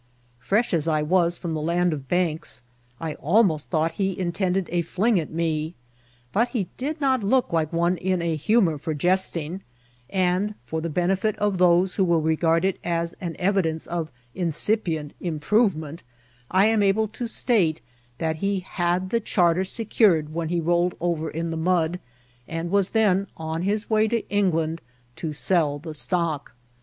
Fresh as I was from the land of banks, I almost thought he intend ed a fling at me ; but he did not look like one in a hu mour for jesting ; and, for the benefit of those who will regard it as an evidence of incipient improvement, I am able to state that he had the charter secured when he rolled over in the mud, and was then on his way to England to sell the stock.